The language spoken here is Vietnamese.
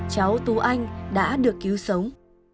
cháu tú anh đã được cứu sống